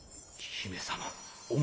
姫様！